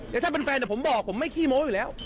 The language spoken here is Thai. แต่ถ้าเป็นแฟนผมบอกผมไม่ขี้โม้อยู่แล้ว